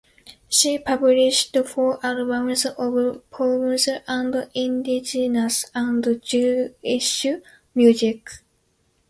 She published four albums of poems and indigenous and Jewish music.